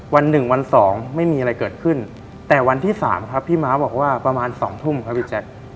วัน๑วัน๒ไม่มีอะไรเกิดขึ้นแต่วันที่๓ครับพี่ม้าบอกว่าประมาณ๒ทุ่มครับอีจักร